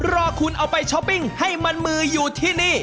รอคุณเอาไปช้อปปิ้งให้มันมืออยู่ที่นี่